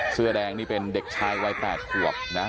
เสื้อแดงนี่เป็นเด็กชายวัย๘ขวบนะ